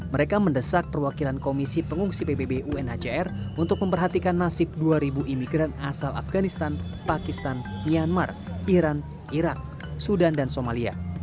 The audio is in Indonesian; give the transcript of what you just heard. mereka mendesak perwakilan komisi pengungsi pbb unhcr untuk memperhatikan nasib dua ribu imigran asal afganistan pakistan myanmar iran irak sudan dan somalia